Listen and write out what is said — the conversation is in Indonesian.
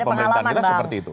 kalau berkaca pada pengalaman bang